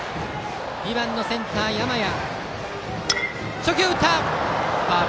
２番のセンター、山家。